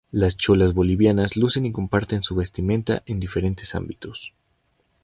Las cholas bolivianas lucen y comparten su vestimenta en diferentes ámbitos.